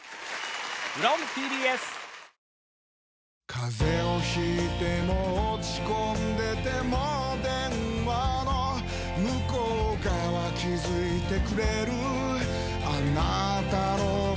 風邪を引いても落ち込んでても電話の向こう側気付いてくれるあなたの声